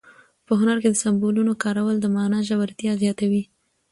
په هنر کې د سمبولونو کارول د مانا ژورتیا زیاتوي.